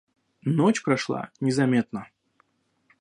Ночь прошла незаметно.